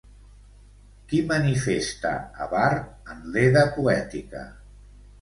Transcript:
Qui manifesta a Vár en l'Edda poètica?